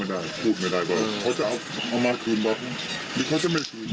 อันนี้ผมพูดไม่ได้ก็เขาจะเอามาคืนหรือเขาจะไม่คืน